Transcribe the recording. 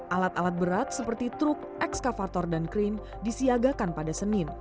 alat alat berat seperti truk ekskavator dan krim disiagakan pada senin